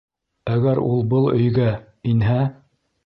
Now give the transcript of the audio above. Әгәр ул был өйгә... инһә?!